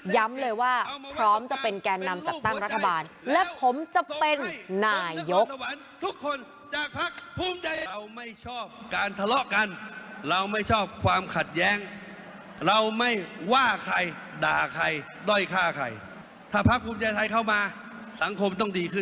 ย้ำเลยว่าพร้อมจะเป็นแก่นำจัดตั้งรัฐบาล